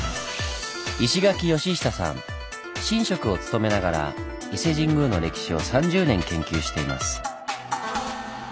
神職をつとめながら伊勢神宮の歴史を３０年研究しています。